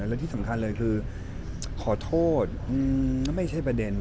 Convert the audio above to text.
และที่สำคัญเลยคือขอโทษไม่ใช่ประเด็น